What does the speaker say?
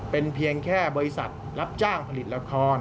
เป็นเพียงแค่บริษัทรับจ้างผลิตละคร